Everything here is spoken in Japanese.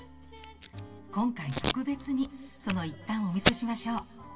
今回特別にその一端をお見せしましょう。